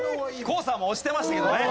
ＫＯＯさんも押してましたけどね。